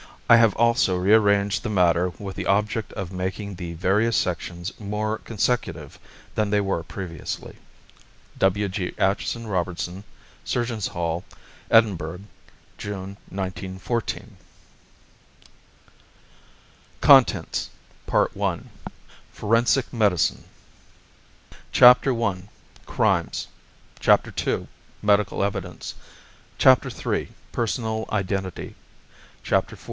I have also rearranged the matter with the object of making the various sections more consecutive than they were previously. W.G. AITCHISON ROBERTSON. SURGEONS' HALL, EDINBURGH, June, 1914. CONTENTS PART I FORENSIC MEDICINE PAGE I. Crimes 1 II. Medical Evidence 2 III. Personal Identity 10 IV.